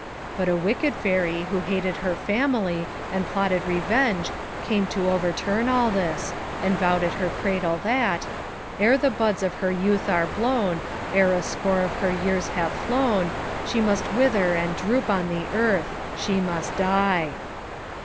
But a wicked fairy who hated her family and plotted revenge came to overturn all this, and vowed at her cradle that: " 'Ere the buds of her youth are blown, Ere a score of her years have flown, She must wither and droop on the earth ; She must die!'"